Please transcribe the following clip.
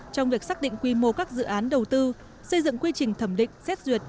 trong việc xác định quy mô các dự án đầu tư xây dựng quy trình thẩm định xét duyệt